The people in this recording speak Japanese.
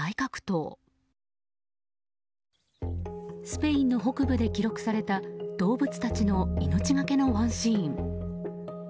スペインの北部で記録された動物たちの命がけのワンシーン。